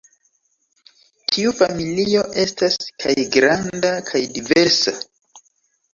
Tiu familio estas kaj granda kaj diversa.